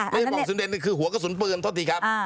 ไม่ใช่ปล่องสุนเดนนี่คือหัวกระสุนปืนโทษทีครับ